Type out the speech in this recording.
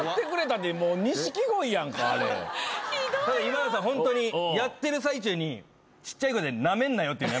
ただ今田さんホントにやってる最中にちっちゃい声で。